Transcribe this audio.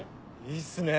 いいっすね